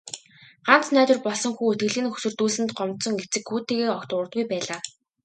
Ганц найдвар болсон хүү итгэлийг нь хөсөрдүүлсэнд гомдсон эцэг хүүтэйгээ огт дуугардаггүй байлаа.